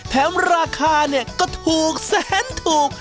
แถมราคาก็ถูกแสนถูก